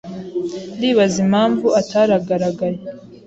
Ndibaza impamvu ataragaragaye.